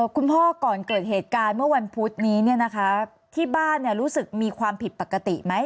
ก่อนเกิดเหตุการณ์เมื่อวันพุธนี้ที่บ้านรู้สึกมีความผิดปกติไหม